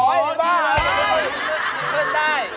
อ๋อเห็นป่ะเห็นได้